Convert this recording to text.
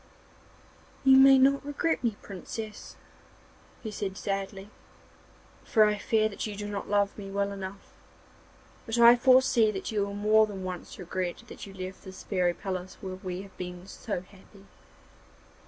'You may not regret me, Princess,' he said sadly, 'for I fear that you do not love me well enough; but I foresee that you will more than once regret that you left this fairy palace where we have been so happy.